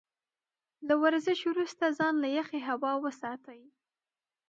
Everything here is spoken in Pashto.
له ورزش وروسته ځان له يخې هوا وساتئ.